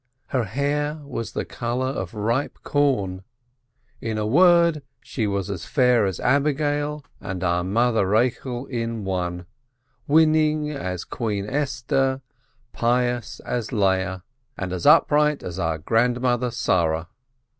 Her hair was the color of ripe corn — in a word, she was fair as Abigail and our Mother Rachel in one, winning as Queen Esther, pious as Leah, and upright as our Grandmother Sarah.